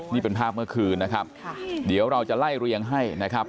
นี่เป็นภาพเมื่อคืนนะครับเดี๋ยวเราจะไล่เรียงให้นะครับ